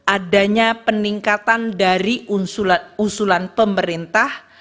adanya peningkatan dari usulan pemerintah